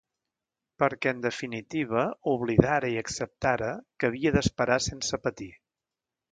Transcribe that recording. Perquè, en definitiva, oblidara i acceptara que havia d'esperar sense patir.